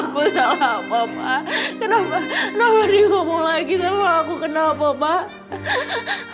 kenapa kenapa dikomul lagi sama aku kenapa pak